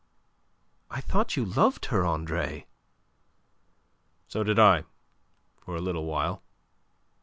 I thought you loved her, Andre." "So did I, for a little while.